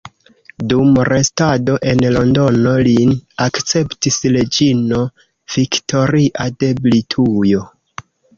Dum restado en Londono lin akceptis reĝino Viktoria de Britujo.